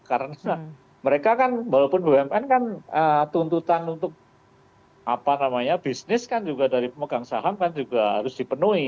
karena mereka kan walaupun umn kan tuntutan untuk bisnis kan juga dari pemegang saham kan juga harus dipenuhi